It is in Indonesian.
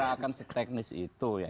tidak akan seteknis itu ya